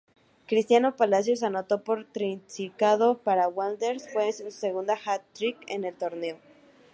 Cristian Palacios anotó por triplicado para Wanderers, fue su segundo hat-trick en el torneo.